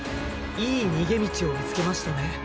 いい逃げ道を見つけましたね。